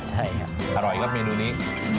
ใช่ครับอร่อยครับเมนูนี้